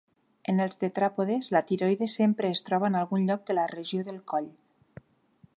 En els tetràpodes, la tiroide sempre es troba en algun lloc de la regió del coll.